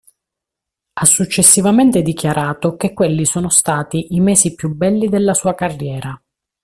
Ha successivamente dichiarato che quelli sono stati i mesi più belli della sua carriera.